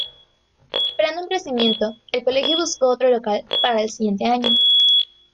Esperando un crecimiento, el colegio buscó otro local para el siguiente año.